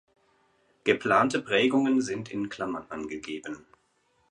Geplante Prägungen sind in Klammern angegeben.